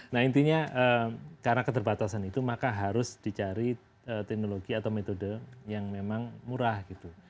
nah intinya karena keterbatasan itu maka harus dicari teknologi atau metode yang memang murah gitu